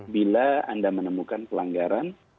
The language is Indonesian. bila anda menemukan pelanggaran